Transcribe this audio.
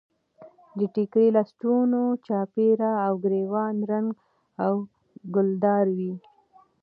د ډیګرې لستوڼو چاپېره او ګرېوان رنګه او ګلدار وي.